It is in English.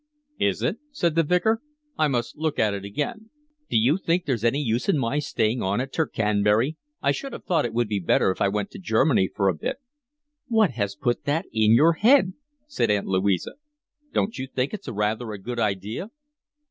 "Is it?" said the Vicar. "I must look at it again." "Do you think there's any use in my staying on at Tercanbury? I should have thought it would be better if I went to Germany for a bit." "What has put that in your head?" said Aunt Louisa. "Don't you think it's rather a good idea?"